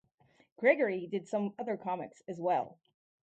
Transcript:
Gregory did some other comics as well.